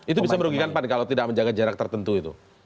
itu bisa merugikan pan kalau tidak menjaga jarak tertentu itu